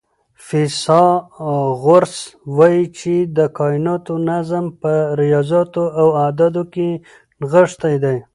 فیثاغورث وایي چې د کائناتو نظم په ریاضیاتو او اعدادو کې نغښتی دی.